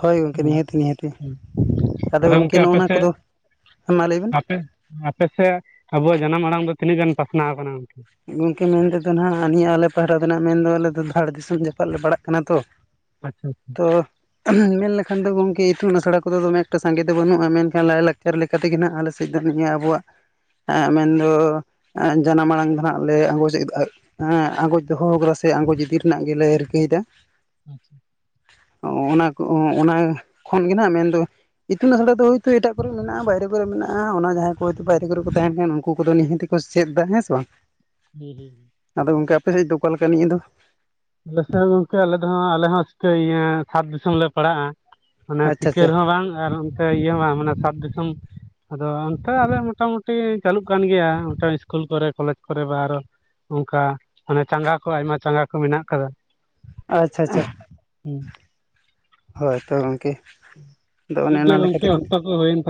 ᱦᱳᱭ ᱜᱚᱢᱠᱮ ᱱᱤᱦᱟᱹᱛᱤ ᱱᱤᱦᱟᱹᱛᱤ ᱟᱫᱚ ᱜᱚᱢᱠᱮ ᱜᱚᱝᱠᱮ ᱱᱚᱜ-ᱚ ᱟᱯᱮ ᱱᱚᱣᱟ ᱠᱚᱫᱚᱸ [inaudible] ᱢᱟ ᱞᱟᱹᱭ ᱵᱮᱱ, ᱟᱯᱮᱥᱮᱜ ᱟᱵᱚᱣᱟᱜ ᱡᱟᱱᱟᱢ ᱟᱲᱟᱝ ᱫᱚ ᱛᱤᱱᱟᱹᱜ ᱜᱟᱱ ᱯᱟᱥᱱᱟᱣ ᱟᱠᱟᱱᱟ? ᱜᱚᱝᱠᱮ ᱢᱮᱱᱛᱮᱫᱚ ᱱᱟᱜ ᱱᱤᱭᱟᱹ ᱟᱞᱮ ᱯᱟᱦᱴᱟ ᱫᱚ ᱱᱟᱜ ᱢᱮᱱ ᱛᱮᱫᱚ ᱟᱞᱮ ᱫᱚ ᱫᱷᱟᱲ ᱫᱤᱥᱚᱢ ᱡᱟᱯᱟᱜ ᱞᱮ ᱯᱟᱲᱟᱜ ᱠᱟᱱᱟ ᱛᱚ, ᱟᱪᱪᱷᱟ ᱟᱪᱪᱷᱟ ᱚᱻ ᱢᱮᱱ ᱞᱮᱠᱷᱟᱱ ᱫᱚ ᱜᱚᱢᱠᱮ ᱤᱛᱩᱱ ᱟᱥᱲᱟ ᱠᱚᱫᱚ ᱫᱚᱢᱮ ᱮᱠᱴᱟ ᱥᱟᱸᱜᱮ ᱫᱚ ᱵᱟᱹᱱᱩᱜ-ᱟ ᱢᱮᱱᱠᱷᱟᱱ ᱞᱟᱭᱞᱟᱠᱪᱟᱨ, ᱞᱮᱠᱟ ᱠᱟᱛᱮᱜᱮ ᱱᱟᱦᱟᱜ ᱟᱞᱮᱥᱮᱫ ᱫᱚ ᱱᱤᱭᱟᱹ ᱟᱵᱚᱣᱟᱜ ᱢᱮᱱᱫᱚ ᱡᱟᱱᱟᱢ ᱟᱲᱟᱝ ᱫᱚ ᱱᱟᱦᱟᱜ, ᱟᱞᱮᱭᱟᱜ ᱟᱸᱜᱚᱡᱫᱟ ᱟᱸᱜᱚᱪ ᱫᱚᱦᱚ ᱠᱟᱫᱟ ᱥᱮ ᱟᱸᱜᱚᱪ ᱤᱫᱤ ᱨᱮᱱᱟᱜ ᱜᱮᱞᱮ ᱨᱤᱠᱟᱹᱭᱮᱫᱟ, ᱟᱪᱪᱷᱟ ᱚᱻ ᱚᱱᱟ ᱠᱚ ᱚᱱᱟ ᱠᱷᱚᱱ ᱜᱮ ᱱᱟᱜ ᱢᱮᱱᱫᱚ, ᱤᱛᱩᱱ ᱟᱥᱲᱟ ᱫᱚ ᱦᱳᱭᱛᱳ ᱮᱴᱟᱜ ᱠᱚᱨᱮ ᱢᱮᱱᱟᱜ-ᱟ, ᱵᱟᱭᱨᱮ ᱠᱚᱨᱮ ᱢᱮᱱᱟᱜ-ᱟ, ᱚᱱᱟ ᱡᱟᱦᱟᱸ ᱚᱠᱚᱭᱛᱚ ᱵᱟᱭᱨᱮ ᱦᱩᱸ ᱠᱚᱨᱮ ᱠᱚ ᱛᱟᱦᱮᱱ ᱠᱟᱱ ᱩᱱᱠᱩ ᱠᱚᱫᱚ ᱱᱤᱦᱟᱹᱛᱤ ᱜᱮ ᱠᱚ ᱥᱮᱫ ᱮᱫᱟ ᱦᱮᱸ ᱥᱮ ᱵᱟᱝ, ᱦᱩᱸᱻ ᱦᱩᱸ ᱟᱫᱚ ᱜᱚᱝᱠᱮ ᱟᱯᱮ ᱥᱮᱫ ᱫᱚ ᱚᱠᱟ ᱞᱮᱠᱟᱹ ᱱᱤᱭᱟᱹ ᱫᱚ? ᱟᱞᱮᱥᱮ ᱜᱚᱝᱠᱮ ᱟᱞᱮ ᱫᱚ ᱟᱞᱮ ᱦᱚᱸ ᱪᱤᱠᱟᱹᱭ ᱤᱭᱟᱹ ᱥᱟᱛ ᱫᱤᱥᱚᱢ ᱞᱮ ᱯᱟᱲᱟᱜ-ᱟ᱾ ᱢᱟᱱᱮ ᱟᱪᱪᱷᱟ ᱟᱪᱪᱷᱟ ᱥᱤᱠᱟᱹᱨ ᱦᱚᱸ ᱵᱟᱝ ᱟᱨ ᱚᱱᱛᱮ ᱤᱭᱟᱹ ᱦᱚᱸ ᱵᱟᱝ ᱢᱟᱱᱮ ᱥᱟᱛ ᱫᱤᱥᱚᱢ ᱟᱫᱚ ᱚᱱᱛᱮ ᱟᱞᱮ ᱢᱚᱴᱟᱢᱩᱴᱤ ᱪᱟᱹᱞᱩᱜ ᱠᱟᱱ ᱜᱮᱭᱟ [unintelligible] ᱤᱥᱠᱩᱞ ᱠᱚᱨᱮ ᱠᱚᱞᱮᱡᱽ ᱠᱚᱨᱮ ᱵᱟ ᱟᱨᱚ ᱚᱱᱠᱟ ᱢᱟᱱᱮ ᱪᱟᱸᱜᱟ ᱠᱚ ᱟᱭᱢᱟ ᱪᱟᱸᱜᱟ ᱠᱚ ᱢᱮᱱᱟᱜ ᱟᱠᱟᱫᱟ᱾ ᱟᱪᱪᱷᱟ ᱟᱪᱪᱷᱟ, ᱦᱳᱭ ᱛᱚ ᱜᱚᱝᱠᱮ᱾ ᱟᱫᱚ ᱚᱱᱮ ᱴᱷᱤᱠ ᱚᱱᱟ ᱜᱮᱭᱟ ᱞᱮᱠᱟ ᱜᱚᱝᱠᱮ ᱛᱮᱜᱮ ᱞᱮ ᱚᱠᱛᱚ ᱠᱚ ᱦᱩᱭᱮᱱ ᱛᱟᱞᱟᱝ